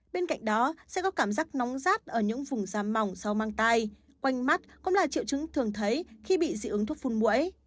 bên cạnh đó sẽ có cảm giác nóng rát ở những vùng da mỏng sau mang tai quanh mắt cũng là triệu chứng thường thấy khi bị dị ứng thuốc phun mũi